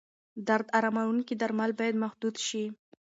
درد اراموونکي درمل باید محدود شي.